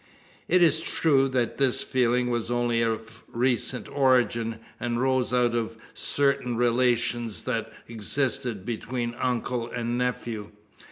It is true that this feeling was only of recent origin; and rose out of certain relations that existed between uncle and nephew.